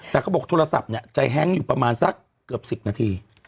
แต่เขาบอกโทรศัพท์เนี่ยใจแฮ้งอยู่ประมาณสักเกือบ๑๐นาที